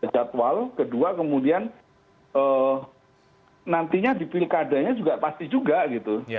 jadwal kedua kemudian nantinya di pilkadanya juga pasti juga gitu